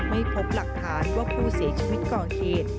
ไม่พบหลักฐานว่าผู้เสียชีวิตก่อเหตุ